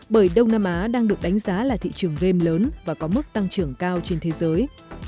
bởi đông nam á đang được đánh giá là thị trường game lớn và có mức tăng trưởng cao trên thế giới